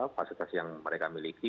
pasitas yang mereka miliki